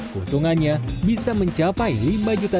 keuntungannya bisa mencapai lima juta